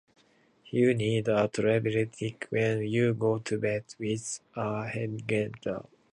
You need a tolerably thick skin when you go to bed with a hedgehog.